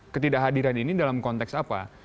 ketidakhadiran ini dalam konteks apa